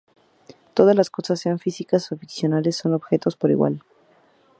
Todas las cosas, sean físicas o ficcionales, son objetos por igual.